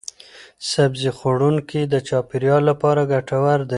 سبزي خوړونکي د چاپیریال لپاره ګټور دي.